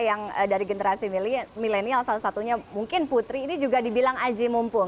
yang dari generasi milenial salah satunya mungkin putri ini juga dibilang aji mumpung